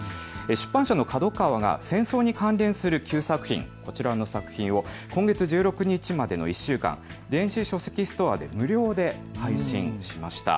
出版社のＫＡＤＯＫＡＷＡが戦争に関連する９作品、こちらの作品を今月１６日までの１週間、電子書籍ストアで無料で配信しました。